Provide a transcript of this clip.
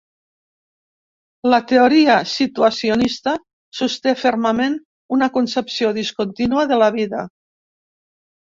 La teoria situacionista sosté fermament una concepció discontínua de la vida.